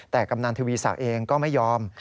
แต่กำนันทวีศักดิ์เองก็ไม่ยอม